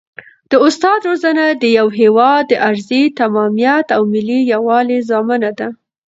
د استاد روزنه د یو هېواد د ارضي تمامیت او ملي یووالي ضامنه ده.